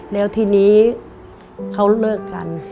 แล้วทีนี้เขาเลิกกัน